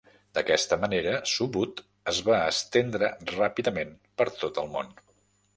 D'aquesta manera, Subud es va estendre ràpidament per tot el món.